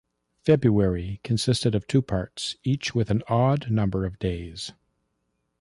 February consisted of two parts, each with an odd number of days.